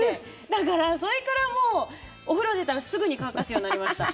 だから、それからもうお風呂出たらすぐに乾かすようになりました。